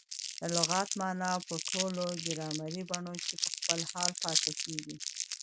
د لغت مانا په ټولو ګرامري بڼو کښي په خپل حال پاته کیږي.